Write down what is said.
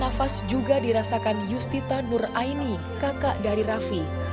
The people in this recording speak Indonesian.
dan nafas juga dirasakan justita nur aini kakak dari raffi